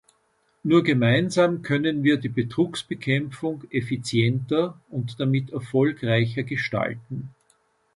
Nur gemeinsam können wir die Betrugsbekämpfung effizienter und damit erfolgreicher gestalten.